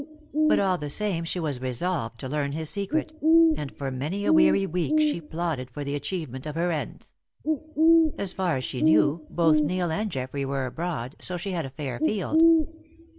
But all the same she was resolved to learn his secret, and for many a weary week she plotted for the achievement of her ends. As far as she knew, both Neil and Geoffrey were abroad, so she had a fair field.